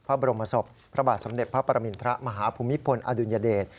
พระบรมศพพระบาทสมเด็จพระปรมินทรมาฮภูมิพลอดุลยเดช